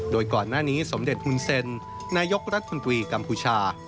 โดยก่อนหน้านี้สมเด็จฮุนเซ็นนายกรัฐมนตรีกัมพูชา